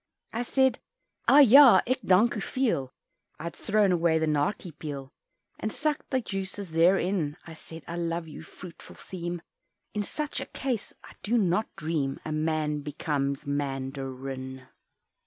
I said "ah! ja, ik dank u veel," I'd thrown away the "nartje" peel And sucked the juices there in; I said "I love you," fruitful theme, In such a case (I do not dream) A man becomes Man darin.